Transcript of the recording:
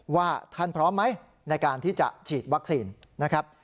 ว่าท่านพร้อมไหมในการที่จะฉีดวัคซีนนะครับ